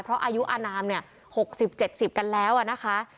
เพราะอายุอานามเนี่ย๖๐๗๐กันแล้วอะนะคะ